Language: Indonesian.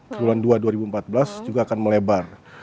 per bulan dua dua ribu empat belas juga akan melebar